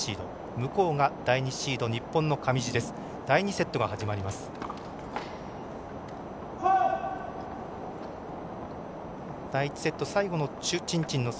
向こうが第２シード日本の上地です。